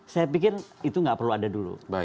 saya pikir itu nggak perlu ada dulu